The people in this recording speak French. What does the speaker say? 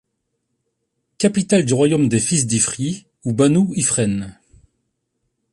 Capitale du royaume des fils d'Ifri ou Banou Ifren.